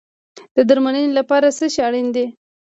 د درملنې لپاره څه شی اړین دی؟